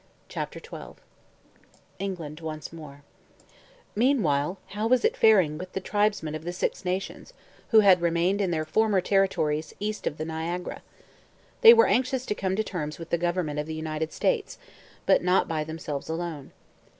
CHAPTER XII ENGLAND ONCE MORE Meanwhile, how was it faring with the tribesmen of the Six Nations who had remained in their former territories east of the Niagara? They were anxious to come to terms with the government of the United States, but not by themselves alone.